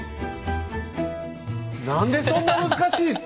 何でそんな難しい！